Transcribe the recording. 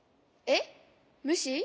えっむし？